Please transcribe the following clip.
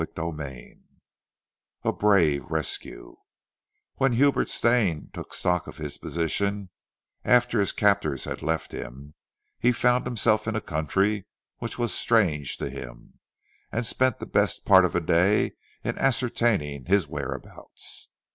CHAPTER V A BRAVE RESCUE When Hubert Stane took stock of his position, after his captors had left him, he found himself in a country which was strange to him, and spent the best part of a day in ascertaining his whereabouts.